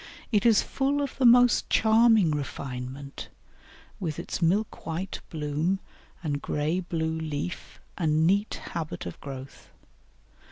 It is full of the most charming refinement, with its milk white bloom and grey blue leaf and neat habit of growth.